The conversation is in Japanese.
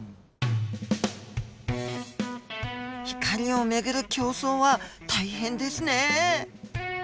光を巡る競争は大変ですね。